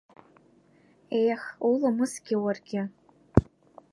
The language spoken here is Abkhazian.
Ехх, уламысгьы уаргьы!